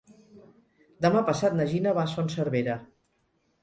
Demà passat na Gina va a Son Servera.